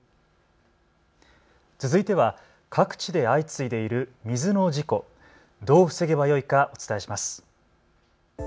続いては各地で相次いでいる水の事故、どう防げばよいかお伝えします。